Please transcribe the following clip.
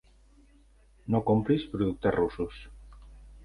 No compris productes russos!